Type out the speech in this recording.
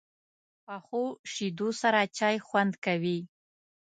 پخو شیدو سره چای خوند کوي